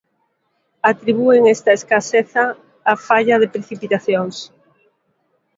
Atribúen esta escaseza á falla de precipitacións.